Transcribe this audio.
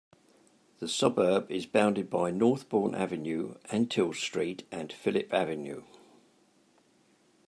The suburb is bounded by Northbourne Avenue, Antill Street and Philip Avenue.